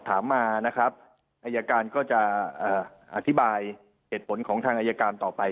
ถามมานะครับอายการก็จะอธิบายเหตุผลของทางอายการต่อไป